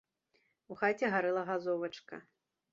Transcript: У хаце гарэла газовачка.